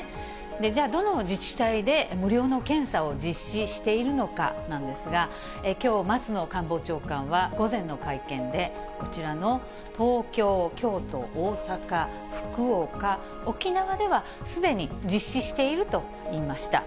じゃあ、どの自治体で無料の検査を実施しているのかなんですが、きょう、松野官房長官は、午前の会見で、こちらの東京、京都、大阪、福岡、沖縄では、すでに実施していると言いました。